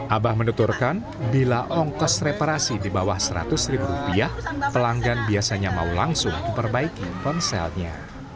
abah menuturkan bila ongkos reparasi di bawah seratus ribu rupiah pelanggan biasanya mau langsung diperbaiki ponselnya